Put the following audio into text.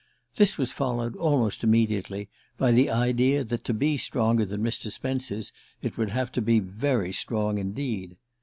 This was followed, almost immediately, by the idea that to be stronger than Mr. Spence's it would have to be very strong indeed.